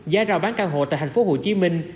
giá rau bán căn hộ tại thành phố hồ chí minh